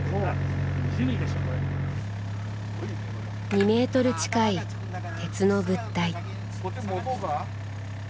２メートル近い鉄の物体。